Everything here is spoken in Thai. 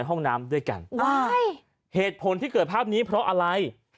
ห้องน้ำด้วยกันเหตุผลที่เกิดภาพนี้เพราะอะไร